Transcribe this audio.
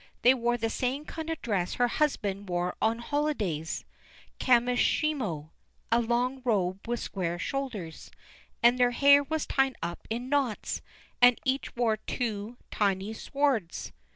They wore the same kind of dress her husband wore on holidays (Kamishimo, a long robe with square shoulders), and their hair was tied up in knots, and each wore two tiny swords.